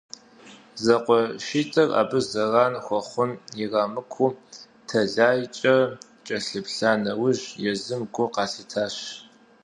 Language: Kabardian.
Зэкъуэшитӏыр абы зэран хуэхъун ирамыкуу тэлайкӏэ кӏэлъыплъа нэужь, езым гу къалъитащ.